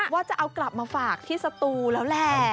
ว่าจะเอากลับมาฝากที่สตูแล้วแหละ